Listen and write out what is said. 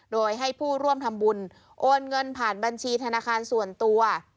โดยให้ผู้ร่วมทำบุญโอนเงินผ่านบัญชีธนาคารส่วนตัว